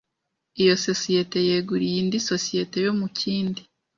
Iyo sosiyete yeguriye indi sosiyete yo mu kindi